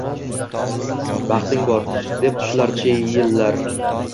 Baxting bor, deb qushlar chiyillar…